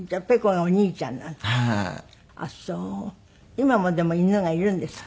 今もでも犬がいるんですって？